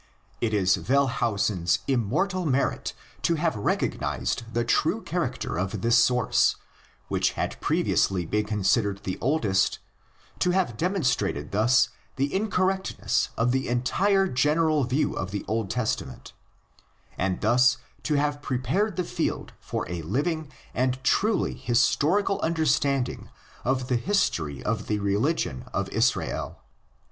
It is Wellhausen's immortal merit (Prolegomena,^ p. 299 ff.) to have recognised the true character of this source, which had previously been considered the oldest, to have demonstrated thus the incorrectness of the entire general view of the Old Testament, and thus to have prepared the field for a living and truly historical understanding of the history of the religion of Israel.